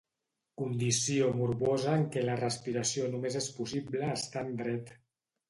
Condició morbosa en què la respiració només és possible estant dret.